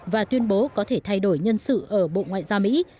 và tuyên bố có thể thay đổi nhân sự ở bộ ngoại giao mỹ